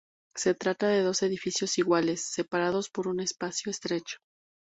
Se trata de dos edificios iguales, separados por un espacio estrecho.